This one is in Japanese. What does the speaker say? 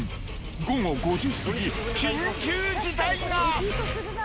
午後５時過ぎ、緊急事態が。